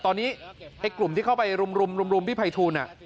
ตอนนี้ไอ้กลุ่มที่เข้าไปรุมพี่ภัยทูล